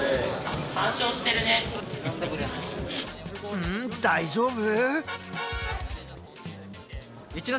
うん大丈夫？